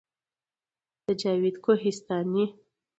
د جاوید کوهستاني